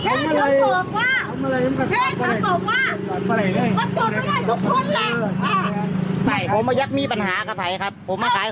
แค่คุณไม่อยากมีปัญหาของคุณไปจอดฝั่งนู้นเลย